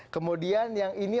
kemudian yang ini